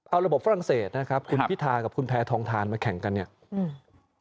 เอาระบบฝรั่งเศสนะครับคุณพิธากับคุณแพทองทานมาแข่งกันเนี่ยอืม